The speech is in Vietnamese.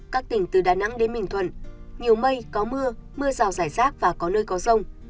các tỉnh từ đà nẵng đến bình thuận nhiều mây có mưa mưa rào rải rác và có nơi có rông